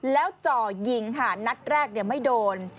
แล้วจ่อยิงค่ะนัดแรกไม่โดน